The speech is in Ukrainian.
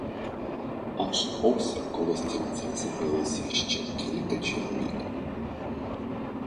Аж ось коло стрільця з'явилось ще кілька чоловік.